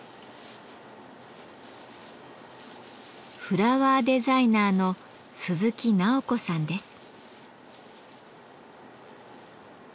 フラワーデザイナーの鈴木奈緒子さんです。